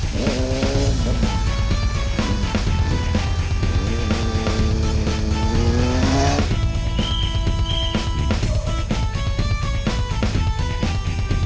semangat dong buktiin ke mereka yan